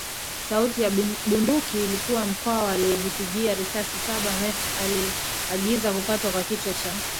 sauti ya bunduki ilikuwa Mkwawa aliyejipigia risasisabaMerkl aliagiza kukatwa kwa kichwa cha